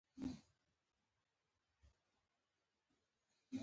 ښارونه د ټولو هیوادوالو لپاره لوی ویاړ دی.